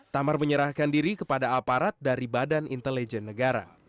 tamar menyerahkan diri kepada aparat dari badan intelijen negara